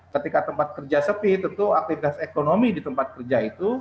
ketika tempat kerja sepi tentu aktivitas ekonomi di tempat kerja itu